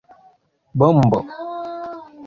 Bombo!